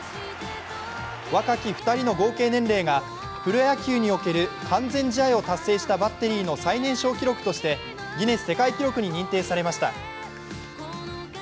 若き２人の合計年齢がプロ野球における完全試合を達成したバッテリーの最年少記録としてギネス世界記録に認定されました。